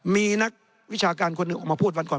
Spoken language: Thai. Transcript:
มีนักวิชาการคนหนึ่งออกมาพูดวันก่อน